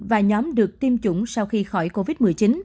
và nhóm được tiêm chủng sau khi khỏi covid một mươi chín